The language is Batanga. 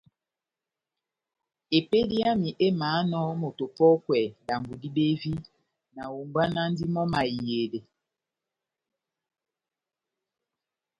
Epédi yami émahánɔ moto opɔ́kwɛ dambo dibevi, nahombwanandi mɔ́ mahiyedɛ.